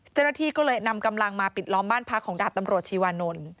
เจ้าหน้าที่ก็เลยนำกำลังมาปิดล้อมบ้านพักของดาบตำรวจชีวานนท์